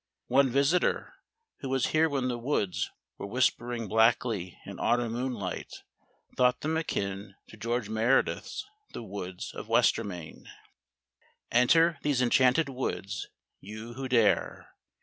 One visitor, who was here when the woods were whispering blackly in autumn moonlight, thought them akin to George Meredith's "The Woods of Westermain" Enter these enchanted woods, You who dare.